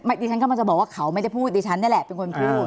ดิฉันกำลังจะบอกว่าเขาไม่ได้พูดดิฉันนี่แหละเป็นคนพูด